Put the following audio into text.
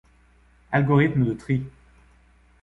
Algorithmes de tri.